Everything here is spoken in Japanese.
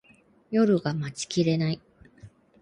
夜が待ちきれない